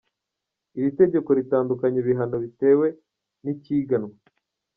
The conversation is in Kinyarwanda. Iri tegeko ritandukanya ibihano bitewe n’icyiganwe.